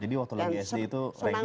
jadi waktu lagi sd itu ranking bu ya